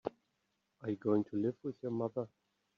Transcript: Are you going to live with your mother?